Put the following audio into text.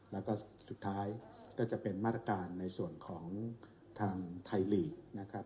แล้วก็สุดท้ายก็จะเป็นมาตรการในส่วนของทางไทยลีกนะครับ